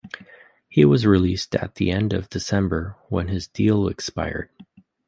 He was released at the end of December when his deal expired.